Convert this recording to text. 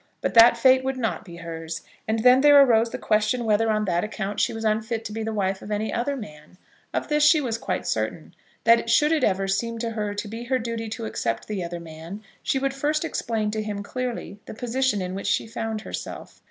But that fate would not be hers, and then there arose the question whether, on that account, she was unfit to be the wife of any other man. Of this she was quite certain, that should it ever seem to her to be her duty to accept the other man, she would first explain to him clearly the position in which she found herself.